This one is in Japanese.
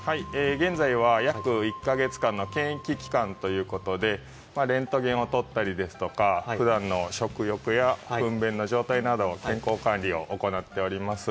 今は約１か月間の検疫期間ということでレントゲンを撮ったりふだんの食欲やふん便の状態など健康管理を行っています。